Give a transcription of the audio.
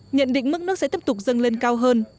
nhận định mức nước sẽ tiếp tục dâng lên cao hơn